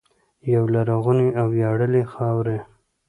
یوې لرغونې او ویاړلې خاورې.